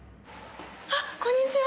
あっこんにちは